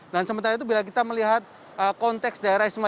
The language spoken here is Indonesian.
dan sementara itu bila kita melihat konteks daerah istimewa